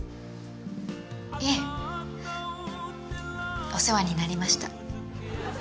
いえお世話になりました。